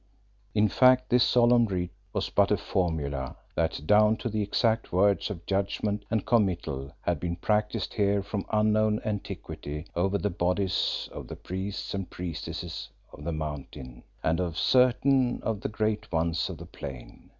In fact this solemn rite was but a formula that, down to the exact words of judgment and committal, had been practised here from unknown antiquity over the bodies of the priests and priestesses of the Mountain, and of certain of the great ones of the Plain.